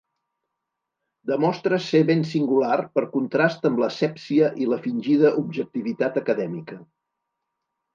Demostre ser ben singular per contrast amb l’asèpsia i la fingida objectivitat acadèmica.